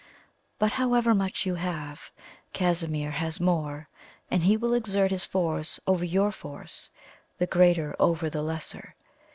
But, however much you have, Casimir has more, and he will exert his force over your force, the greater over the lesser.